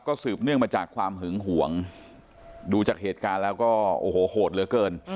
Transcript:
สืบเนื่องมาจากความหึงห่วงดูจากเหตุการณ์แล้วก็โอ้โหโหดเหลือเกิน